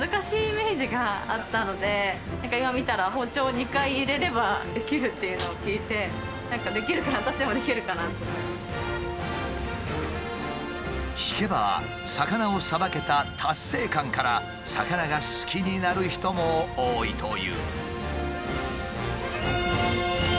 今見たら包丁を２回入れればできるっていうのを聞いて聞けば魚をさばけた達成感から魚が好きになる人も多いという。